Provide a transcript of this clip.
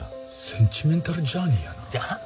センチメンタルジャーニーやなあ。